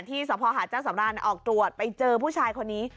สภหาดเจ้าสำรานออกตรวจไปเจอผู้ชายคนนี้